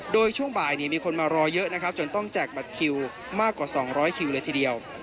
โดยช่วงบ่ายมีคนมารอเยอะนะครับจนต้องแจกบัตรคิวมากกว่า๒๐๐คิวเลยทีเดียว